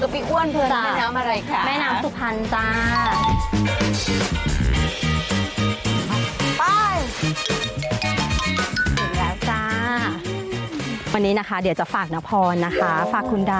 พี่อ้วนก็มองทางใช้มองขวาคืนก็พี่อ้วน